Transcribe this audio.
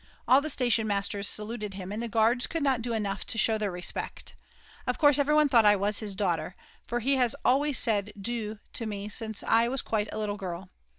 All the stationmasters saluted him and the guards could not do enough to show their respect. Of course everyone thought I was his daughter, for he has always said "Du" to me since I was quite a little girl.